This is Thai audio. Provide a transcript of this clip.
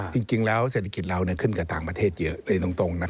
จริงแล้วเศรษฐกิจเราขึ้นกับต่างประเทศเยอะเรียนตรง